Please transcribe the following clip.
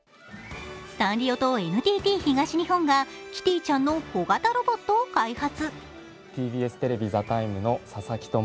サンリオとＮＴＴ東日本がキティちゃんの小型ロボットを開発。